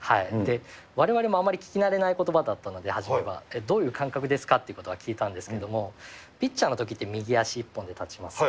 われわれもあまり聞き慣れないことばだったので、初めは、どういう感覚ですかということを聞いたんですけれども、ピッチャーのときって、右足一本で立ちますね。